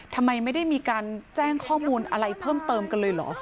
ทำไมไม่ได้มีการแจ้งข้อมูลอะไรเพิ่มเติมกันเลยเหรอ